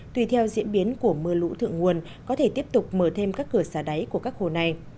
tùy theo diễn biến của mưa lũ thượng nguồn có thể tiếp tục mở thêm các cửa xả đáy của các hồ này